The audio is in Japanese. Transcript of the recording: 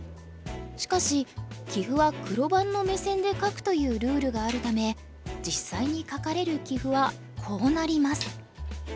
しかし棋譜は黒番の目線で書くというルールがあるため実際に書かれる棋譜はこうなります。